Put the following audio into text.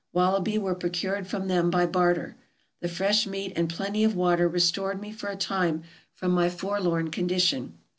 Wallaby were procured from them by barter. The fresh meat and plenty of water restored me for a time from my forlorn condition.